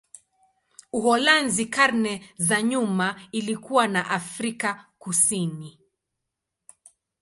Uholanzi karne za nyuma ilikuwa na Afrika Kusini.